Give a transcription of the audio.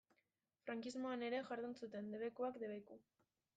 Frankismoan ere jardun zuten, debekuak debeku.